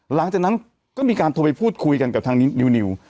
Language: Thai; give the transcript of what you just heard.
หลังจากนั้นก็มีการโทรไปพูดคุยกันกับทางนี้นิว